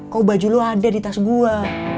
kok baju lo ada di tas gue